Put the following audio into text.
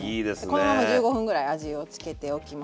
このまま１５分ぐらい味をつけておきます。